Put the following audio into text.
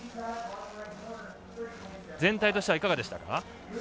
全体としてはいかがでしたか？